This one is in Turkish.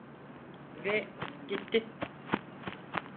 Ve gitti.